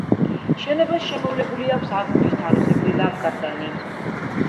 შენობას შემოვლებული აქვს აგურის თაროსებრი ლავგარდანი.